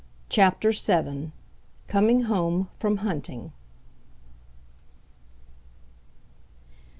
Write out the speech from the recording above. CHAPTER VII. COMING HOME FROM HUNTING.